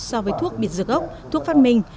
so với thuốc biệt dược ốc thuốc phát minh